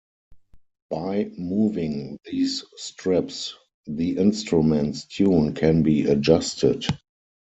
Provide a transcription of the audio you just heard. By moving these strips, the instrument's tune can be adjusted.